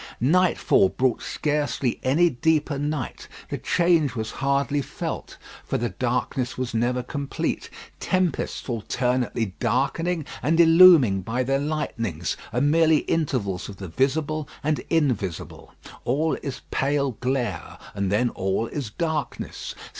Nightfall brought scarcely any deeper night. The change was hardly felt, for the darkness was never complete. Tempests alternately darkening and illumining by their lightnings, are merely intervals of the visible and invisible. All is pale glare, and then all is darkness.